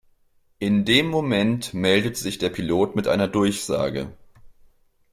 In dem Moment meldet sich der Pilot mit einer Durchsage.